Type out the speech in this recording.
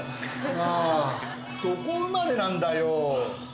なぁどこ生まれなんだよ？